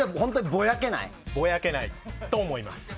ぼやけないと思います。